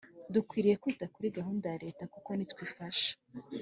Dukwiriye kwita kuri gahunda ya Leta kuko nitwe ifasha